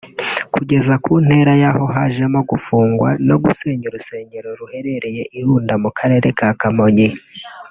kugeza ku ntera y’aho hajemo gufungwa no gusenya urusengero ruherereye i Runda mu karere ka Kamonyi